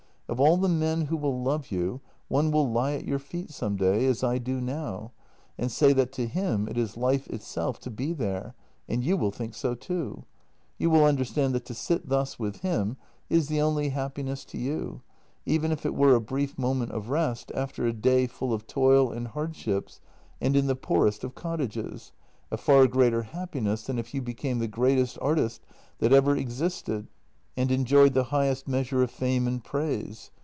Of all the men who will love you, one will lie at your feet some day, as I do now, and say that to him it is life itself to be there, and you will think so too. You will under stand that to sit thus with him is the only happiness to you, even if it were a brief moment of rest after a day full of toil and hardships, and in the poorest of cottages — a far greater happiness than if you became the greatest artist that ever ex isted and enjoyed the highest measure of fame and praise.